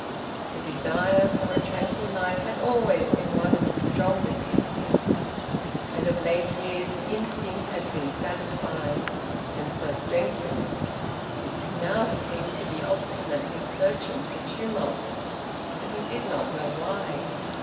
The desire for a tranquil life had always been one of his strongest instincts, and of late years the instinct had been satisfied, and so strengthened. Now he seemed to be obstinately searching for tumult; and he did not know why.